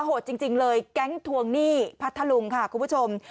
โหดจริงเลยแก๊งทวงหนี้พัทธลุงค่ะคุณผู้ชม